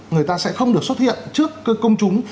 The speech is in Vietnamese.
người ta sẽ không được xuất hiện trước công chúng